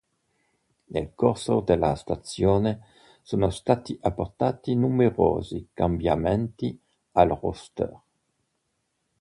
Nel corso della stagione sono stati apportati numerosi cambiamenti al roster.